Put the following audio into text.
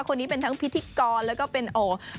คนนี้เป็นทั้งพิธีกรแล้วก็เป็นอ๋อ